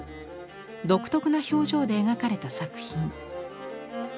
独特な表情で描かれた作品。